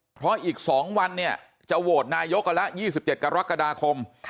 เพราะอีก๒วันเนี่ยจะโหวตนายกกันแล้ว๒๗กรกฎาคม